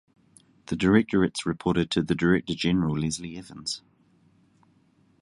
The Directorates reported to the Director-General Leslie Evans.